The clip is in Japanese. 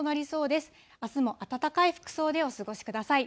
あすも暖かい服装でお過ごしください。